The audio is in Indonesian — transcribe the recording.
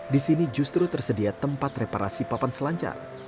di sini justru tersedia tempat reparasi papan selancar